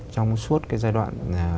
trong suốt cái giai đoạn